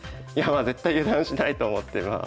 絶対油断しないと思ってまあ。